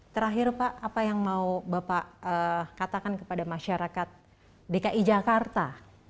terakhir pak apa yang mau bapak katakan kepada masyarakat dki jakarta